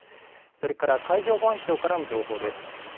それから海上保安庁からの情報です。